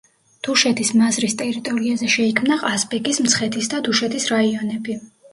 დუშეთის მაზრის ტერიტორიაზე შეიქმნა ყაზბეგის, მცხეთის და დუშეთის რაიონები.